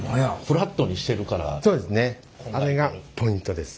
あれがポイントです。